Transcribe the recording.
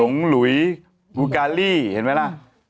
หลุยบุการี่เห็นไหมล่ะ